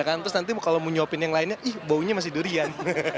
ya kan terus nanti kalau mau nyuapin yang lainnya ih baunya masih durian